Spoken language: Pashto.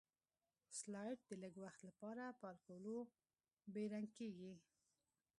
سلایډ د لږ وخت لپاره په الکولو بې رنګ کیږي.